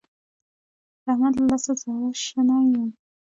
د احمد له لاسه زړه شنی يم.